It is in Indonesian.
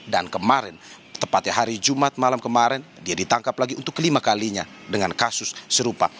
dan kemarin tepatnya hari jumat malam kemarin dia ditangkap lagi untuk kelima kalinya dengan kasus serupa